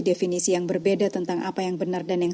definisi yang berbeda tentang apa yang benar dan yang